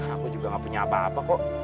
aku juga gak punya apa apa kok